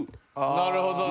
なるほどね。